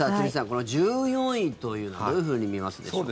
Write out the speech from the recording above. この１４位というのはどういうふうに見ますでしょうか。